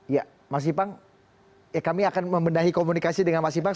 ya mas ibang ya kami akan membenahi komunikasi dengan mas ibang